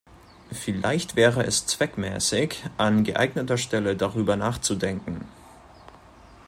Vielleicht wäre es zweckmäßig, an geeigneter Stelle darüber nachzudenken.